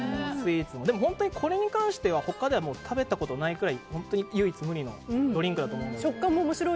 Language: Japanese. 本当にこれに関しては他では食べたことないくらい本当に唯一無二のドリンクだと思うので。